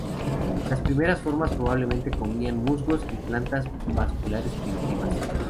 Las primeras formas probablemente comían musgos y plantas vasculares primitivas.